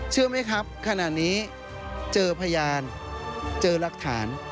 เชื่อไหมครับขณะนี้เจอพยานเจอรักฐาน